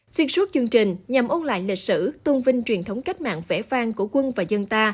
xuyên suốt chương trình nhằm ôn lại lịch sử tuân vinh truyền thống cách mạng vẽ vang của quân và dân ta